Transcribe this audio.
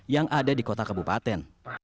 yang ada di kota kabupaten